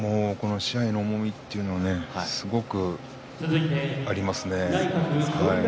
賜盃の重みというのはすごくありますね。